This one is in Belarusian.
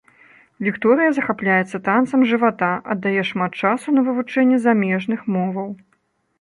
Вікторыя захапляецца танцам жывата, аддае шмат часу на вывучэнне замежных моваў.